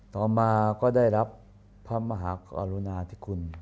ต่อมาก็ได้รับพระมหากรุณาธิคุณ